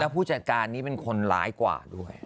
แล้วผู้จัดการนี้มันคนร้ายกว่าด้วย